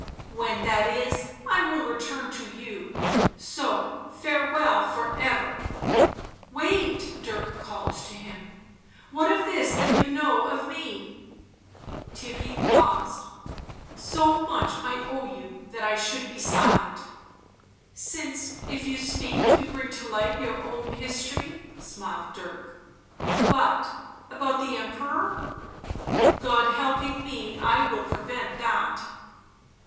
" When that is, I will return to you, so — farewell for ever ——''" Wait !" Dirk called to him. " What of this that you know of me ?" Theirry paused. " So much I owe you — that I should be silent." u Since, if you speak, you bring to light your own history," smiled Dirk. " But — about the Emperor?" " God helping me I will prevent that."